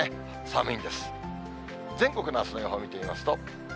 全国のあすの予報を見てみますと。